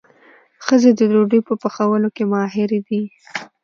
ښځې د ډوډۍ په پخولو کې ماهرې دي.